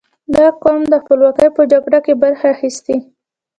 • دا قوم د خپلواکۍ په جګړو کې برخه اخیستې.